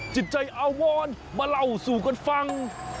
จิตใจอาวรมาเล่าสู่กันฟัง